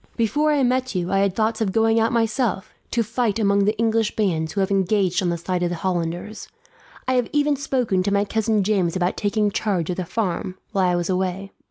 "Before I met you I had thoughts of going out, myself, to fight among the English bands who have engaged on the side of the Hollanders. I had even spoken to my cousin James about taking charge of the farm, while I was away.